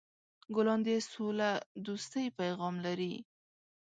ګلان د سولهدوستۍ پیغام لري.